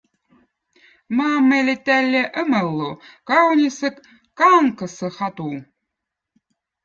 Maam õli tälle õmmõllu kaunissõ kankassõ hatu.